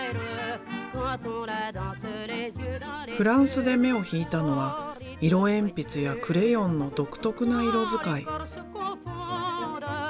フランスで目を引いたのは色鉛筆やクレヨンの独特な色使い。